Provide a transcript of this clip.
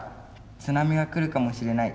津波が来るかもしれない。